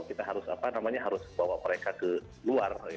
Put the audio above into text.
kita harus apa namanya harus bawa mereka ke luar